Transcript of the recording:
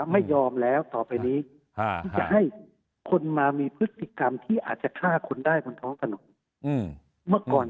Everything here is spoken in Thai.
ไม่ยอมแล้วต่อไปนี้ที่จะให้คนมามีพฤติกรรมที่อาจจะฆ่าคนได้บนท้องถนนเมื่อก่อน